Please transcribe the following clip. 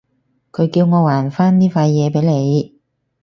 佢叫我還返呢塊嘢畀你